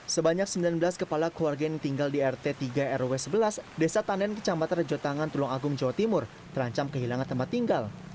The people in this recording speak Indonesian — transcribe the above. sebanyak sembilan belas kepala keluarga yang tinggal di rt tiga rw sebelas desa tanen kecamatan rejotangan tulung agung jawa timur terancam kehilangan tempat tinggal